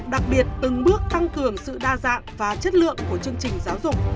đặc biệt từng bước tăng cường sự đa dạng và chất lượng của chương trình giáo dục